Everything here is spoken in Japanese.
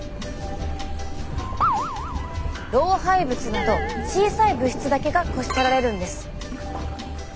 老廃物など小さい物質だけがこし取られるんです。